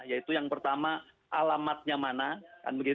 yaitu yang pertama alamatnya mana kan begitu